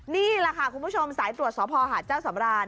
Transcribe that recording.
นี่แหละค่ะคุณผู้ชมสายตรวจสพหาดเจ้าสำราน